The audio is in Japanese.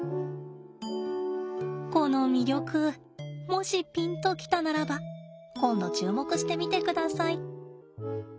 この魅力もしピンと来たならば今度注目してみてください。